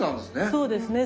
そうですね。